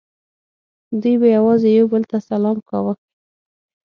دوی به یوازې یو بل ته سلام کاوه